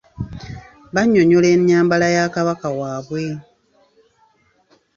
Banyonnyola enyambala ya kabaka waabwe.